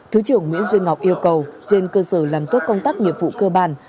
thứ trưởng nguyễn duy ngọc yêu cầu trên cơ sở làm tốt công tác nghiệp vụ cơ bản